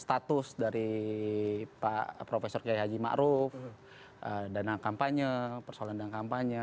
status dari prof jaya haji ma'ruf dana kampanye persoalan dana kampanye